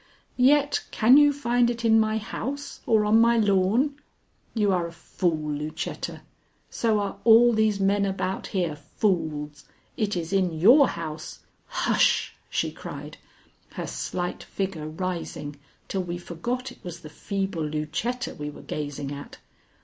Yet can you find it in my house or on my lawn? You are a fool, Lucetta; so are all these men about here fools! It is in your house " "Hush!" she cried, her slight figure rising till we forgot it was the feeble Lucetta we were gazing at.